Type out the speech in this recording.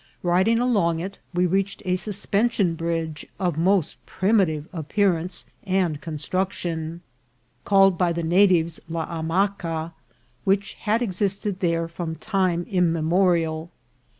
Riding along it, we reached a suspension bridge of most primitive appearance and construction, called by the natives La Hammaca, which had exist ed there from time immemorial.